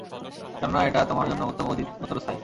কেননা, এটা তোমার জন্যে উত্তম ও অধিকতর স্থায়ী।